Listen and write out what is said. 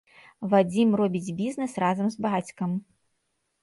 Вадзім робіць бізнэс разам з бацькам.